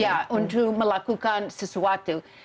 ya untuk melakukan sesuatu